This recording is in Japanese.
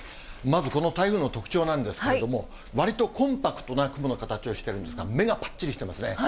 まず、この台風の特徴なんですけれども、わりとコンパクトな雲の形をしてるんですが、目がぱっちりしてますね。